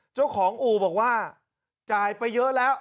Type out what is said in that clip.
เจ้าของอู่บอกว่าจ่ายไปเยอะแล้ว